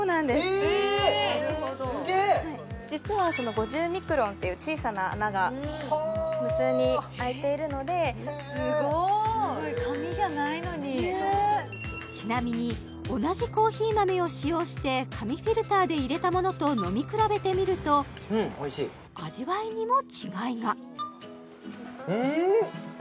えーすげえっ実は５０ミクロンっていう小さな穴が無数にあいているのですごい紙じゃないのにちなみに同じコーヒー豆を使用して紙フィルターで入れたものと飲み比べてみるとうんおいしい味わいにも違いがうん！？